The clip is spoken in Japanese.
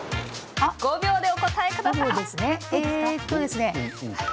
５秒でお答えください。